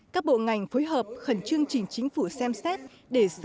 các bộ ngành phối hợp khẩn chương trình chính phủ xem xét để sớm ban hành luật khuyến khích